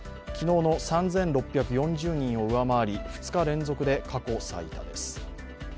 昨日の３６４０人を上回り２日連続で過去最多です。